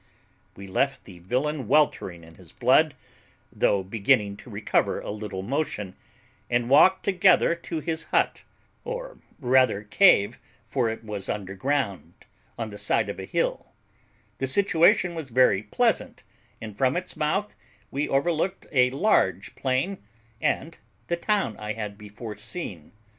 "We left the villain weltering in his blood, though beginning to recover a little motion, and walked together to his hut, or rather cave, for it was under ground, on the side of a hill; the situation was very pleasant, and from its mouth we overlooked a large plain and the town I had before seen.